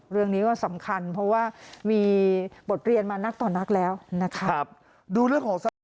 เรื่องนี้ก็สำคัญเพราะว่ามีบทเรียนมานักต่อนักแล้วนะครับดูเรื่องของสภาพ